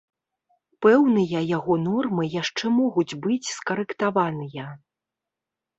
Пэўныя яго нормы яшчэ могуць быць скарэктаваныя.